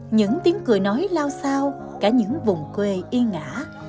những tiếng cười nói lao sao cả những vùng quê y ngã